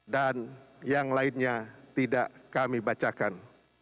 dan yang lainnya tidak kami bacakan